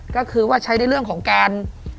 ก็คือว่าใช้ในเรื่องของการ